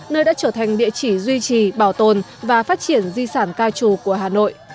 nơi đã trở thành địa chỉ duy trì bảo tồn và phát triển di sản ca trù của hà nội